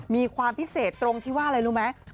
มีความพิเศษตรงที่ว่าอะไรรู้ไหม